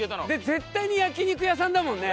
絶対に焼肉屋さんだもんね。